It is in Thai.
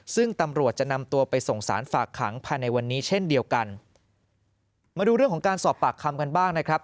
ซึ่งตำรวจจะนำตัวไปส่งสารฝากขังภายในวันนี้เช่นเดียวกันมาดูเรื่องของการสอบปากคำกันบ้างนะครับ